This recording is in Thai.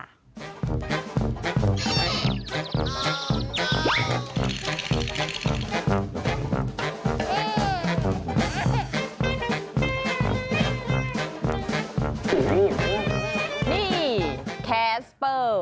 นี่แคสเปอร์